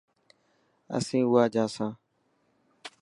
اسين اواجا سان.